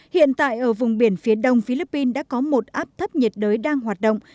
hiện tại ở vùng biển phía đông philippines đã có một áp thấp nhiệt đới đang hoạt động